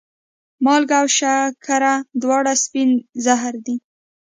مالګه او شکره دواړه سپین زهر دي.